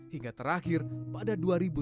hingga terakhir pada dua ribu sembilan belas